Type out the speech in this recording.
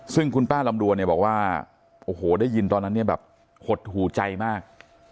ซึ่งคุณป้าลำดวนเนี่ยบอกว่าโอ้โหได้ยินตอนนั้นเนี่ยแบบหดหูใจมาก